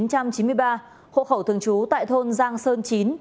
hậu khẩu thường trú tại thôn giang sơn chín